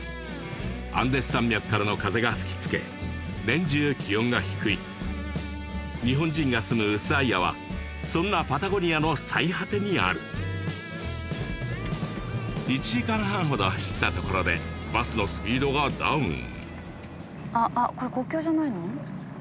アンデス山脈からの風が吹きつけ年中気温が低い日本人が住むウスアイアはそんなパタゴニアの最果てにある１時間半ほど走ったところでバスのスピードがダウン